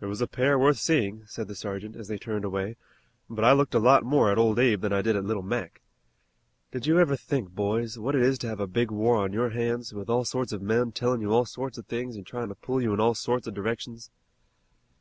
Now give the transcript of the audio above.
"It was a pair worth seeing," said the sergeant, as they turned away, "but I looked a lot more at Old Abe than I did at 'Little Mac.' Did you ever think, boys, what it is to have a big war on your hands, with all sorts of men tellin' you all sorts of things an' tryin' to pull you in all sorts of directions?"